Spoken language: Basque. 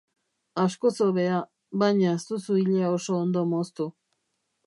Askoz hobea, baina ez duzu ilea oso ondo moztu.